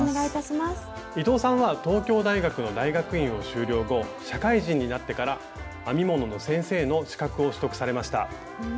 伊藤さんは東京大学の大学院を修了後社会人になってから編み物の先生の資格を取得されました。